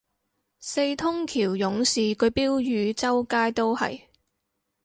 四通橋勇士句標語周街都係